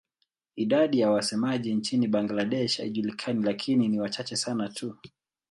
Idadi ya wasemaji nchini Bangladesh haijulikani lakini ni wachache sana tu.